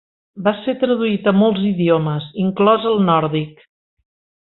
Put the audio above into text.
Va ser traduït a molts idiomes, inclòs el nòrdic.